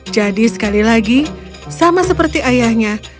jadi sekali lagi sama seperti ayahnya